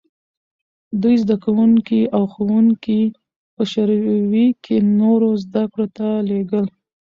دوی زدکوونکي او ښوونکي په شوروي کې نورو زدکړو ته لېږل.